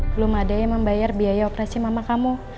belum ada yang membayar biaya operasi mama kamu